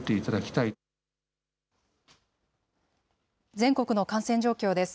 全国の感染状況です。